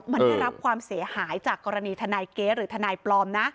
มันได้รับความเสียหายจากกรณีทนายเก๊หรือทนายปลอมนะ